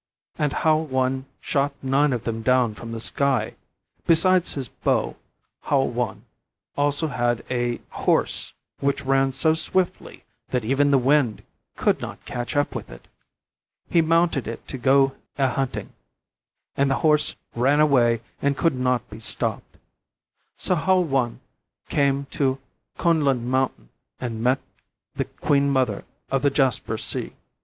And Hou I shot nine of them down from the sky. Besides his bow, Hou I also had a horse which ran so swiftly that even the wind could not catch up with it. He mounted it to go a hunting, and the horse ran away and could not be stopped. So Hou I came to Kunlun Mountain and met the Queen Mother of the Jasper Sea.